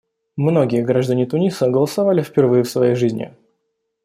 Многие граждане Туниса голосовали впервые в своей жизни.